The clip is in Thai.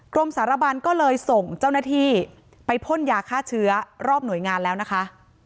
กรมสารบันก็เลยส่งเจ้าหน้าที่ไปพ่นยาฆ่าเชื้อรอบหน่วยงานแล้วนะคะ